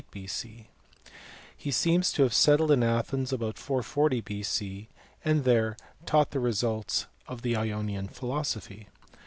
He seems to have settled at Athens about 440 B.C., and there taught the results of the Ionian philosophy.